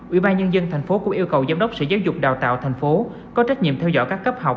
chín ubnd tp cũng yêu cầu giám đốc sự giáo dục đào tạo tp có trách nhiệm theo dõi các cấp học